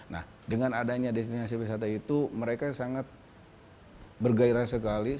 nah dengan adanya destinasi wisata itu mereka sangat bergairah sekali